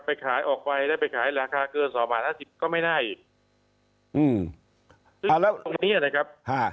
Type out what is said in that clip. ไปขายออกไปแล้วไปขายราคาเกิน๒๕๐บาทก็ไม่ได้อีกตรงนี้นะครับ